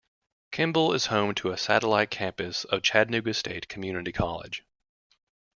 Kimball is home to a satellite campus of Chattanooga State Community College.